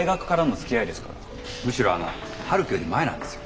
むしろあの陽樹より前なんですよ。